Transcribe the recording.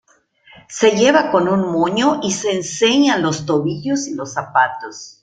Se lleva con un moño y se enseñan los tobillos y los zapatos.